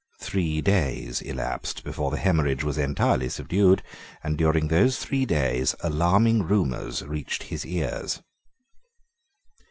Three days elapsed before the hemorrhage was entirely subdued; and during those three days alarming rumours reached his ears.